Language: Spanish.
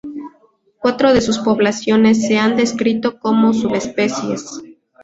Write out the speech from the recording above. Cuatro de sus poblaciones se han descrito como subespecies.